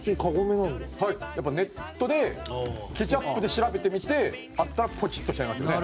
やっぱネットで「ケチャップ」で調べてみてあったらポチッとしちゃいますよね